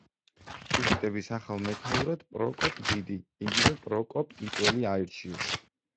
ჰუსიტების ახალ მეთაურად პროკოპ დიდი, იგივე პროკოპ ტიტველი აირჩიეს.